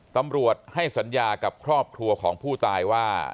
ตำรวจให้สัญญากับครอบครัวของผู้ตายว่า